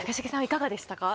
いかがでしたか？